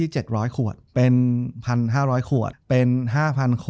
จบการโรงแรมจบการโรงแรม